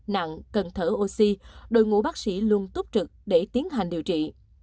nặng cần thở oxy đội ngũ bác sĩ luôn túc trực để tiến hành điều trị